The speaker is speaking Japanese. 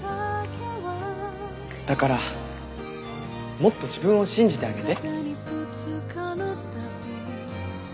だからもっと自分を信じてあげて。